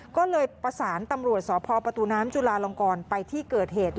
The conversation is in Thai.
ก็เลยประสานตำรวจสพประตูน้ำจุลาลงกรไปที่เกิดเหตุ